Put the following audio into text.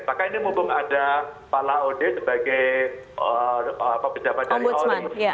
maka ini mumpung ada pak laude sebagai pejabat dari ori